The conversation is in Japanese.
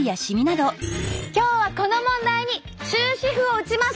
今日はこの問題に終止符を打ちます。